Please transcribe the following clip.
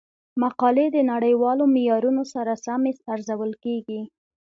مقالې د نړیوالو معیارونو سره سمې ارزول کیږي.